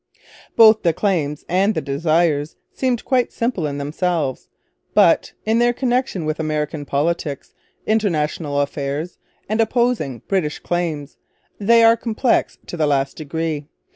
Both the claims and the desires seem quite simple in themselves. But, in their connection with American politics, international affairs, and opposing British claims, they are complex to the last degree.